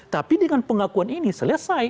tapi dengan pengakuan ini selesai